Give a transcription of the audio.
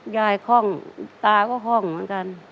คล่องตาก็คล่องเหมือนกัน